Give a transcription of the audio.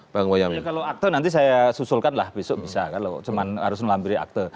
kalau akte nanti saya susulkan lah besok bisa kalau cuma harus melampiri akte